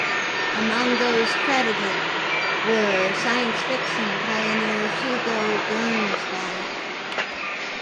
Among those credited were science fiction pioneer Hugo Gernsback.